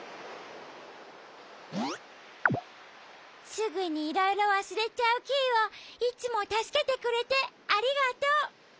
すぐにいろいろわすれちゃうキイをいつもたすけてくれてありがとう。